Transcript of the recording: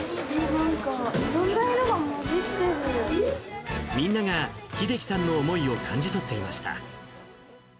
なんか、みんなが秀樹さんの思いを感じ取っていました。